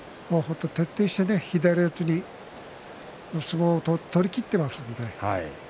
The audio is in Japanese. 徹底して左四つの相撲を取りきっていますのでね。